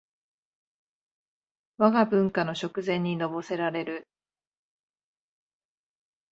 わが文化の食膳にのぼせられる